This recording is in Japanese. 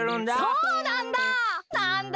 そうなんだ！